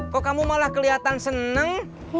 kok kamu malah kelihatan senang